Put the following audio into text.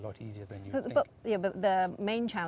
setelah anda telah berhasil